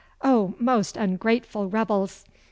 Oh, most ungrateful rebels!